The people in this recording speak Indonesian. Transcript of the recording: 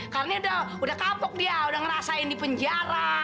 karena udah kapok dia udah ngerasain di penjara